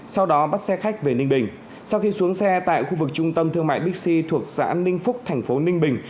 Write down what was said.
sau đó bắt xe khách về ninh bình sau khi xuống xe tại khu vực trung tâm thương mại bixi thuộc xã ninh phúc thành phố ninh bình